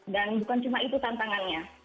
dan bukan cuma itu tantangannya